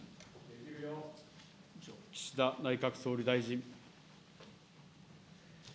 岸田内閣総理大臣。